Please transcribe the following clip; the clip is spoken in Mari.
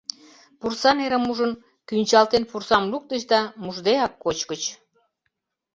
Пурса нерым ужын, кӱнчалтен пурсам луктыч да мушдеак кочкыч.